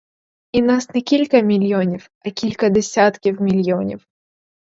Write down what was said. І нас не кілька мільйонів, а кілька десятків мільйонів.